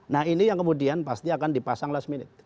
nah ini yang kemudian pasti akan dipasang last minute